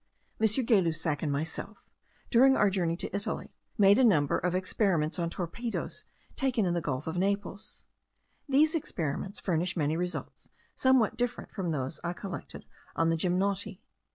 M. Gay Lussac and myself, during our journey to Italy, made a great number of experiments on torpedos taken in the gulf of Naples. These experiments furnish many results somewhat different from those I collected on the gymnoti.